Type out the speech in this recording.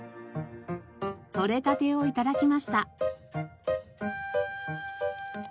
とれたてを頂きました。